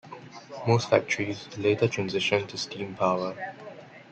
Most factories later transitioned to steam power.